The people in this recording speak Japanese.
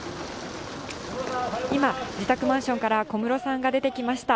今、自宅マンションから小室さんが出てきました。